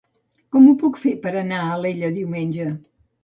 Com ho puc fer per anar a Alella diumenge?